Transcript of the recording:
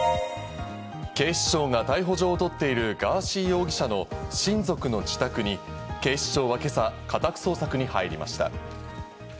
警視庁は逮捕状を取っているガーシー容疑者の親族の自宅に、警視庁は今朝、家宅捜索に入りました。